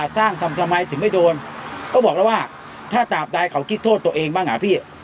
ทำทำไมถึงไม่โดนก็บอกแล้วว่าถ้าตามใดเขาคิดโทษตัวเองบ้างอ่ะพี่